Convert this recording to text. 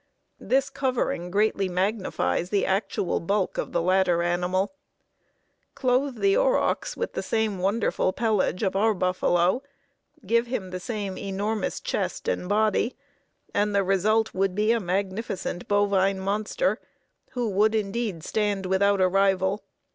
This covering greatly magnifies the actual bulk of the latter animal. Clothe the aurochs with the wonderful pelage of our buffalo, give him the same enormous chest and body, and the result would be a magnificent bovine monster, who would indeed stand without a rival.